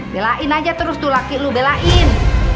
belain aja terus tuh laki lu belain